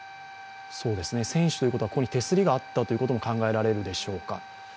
船首ということはここに手すりがあったことも考えられるでしょうか。